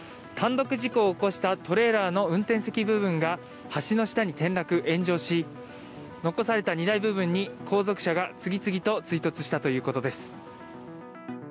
単独事故を起こしたトレーラーの運転席部分が、橋の下に転落、炎上し、残された荷台部分に、後続車が次々と追突したということです。